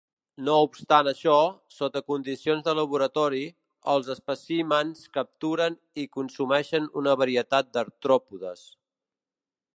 No obstant això, sota condicions de laboratori, els espècimens capturen i consumeixen una varietat d'artròpodes.